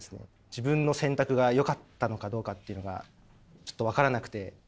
自分の選択がよかったのかどうかっていうのがちょっと分からなくて。